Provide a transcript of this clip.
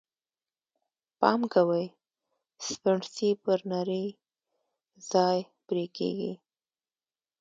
پام کوئ! سپڼسی پر نري ځای پرې کېږي.